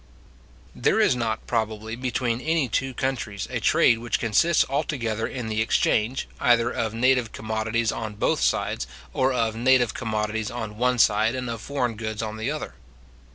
There is not, probably, between any two countries, a trade which consists altogether in the exchange, either of native commodities on both sides, or of native commodities on one side, and of foreign goods on the other.